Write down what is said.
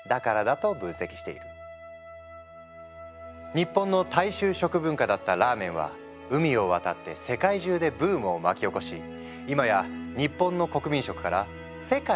日本の大衆食文化だったラーメンは海を渡って世界中でブームを巻き起こし今や日本の国民食から世界のＲＡＭＥＮになっている。